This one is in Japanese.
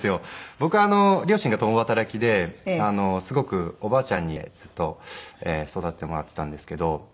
僕両親が共働きですごくおばあちゃんにずっと育ててもらっていたんですけど。